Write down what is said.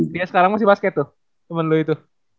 dia sekarang masih basket tuh temen lu itu